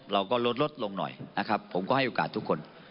เราก็ลดลดลงหน่อยนะครับผมก็ให้โอกาสทุกคน